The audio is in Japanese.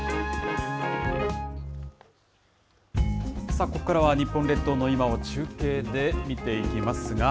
さあ、ここからは日本列島の今を中継で見ていきますが。